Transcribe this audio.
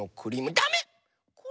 だめ！